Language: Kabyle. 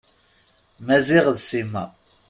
Maziɣ d Sima.